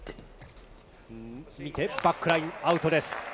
バックライン、アウトです。